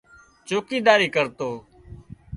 چوڪيداري ڪرتو